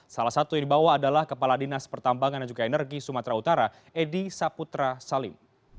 salah satu yang dibawa adalah kepala dinas pertambangan dan juga energi sumatera utara edy saputra salim